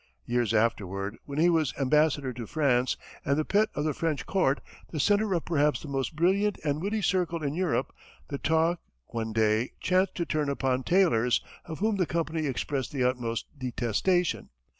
Years afterward, when he was Ambassador to France and the pet of the French court, the centre of perhaps the most brilliant and witty circle in Europe, the talk, one day, chanced to turn upon tailors, of whom the company expressed the utmost detestation.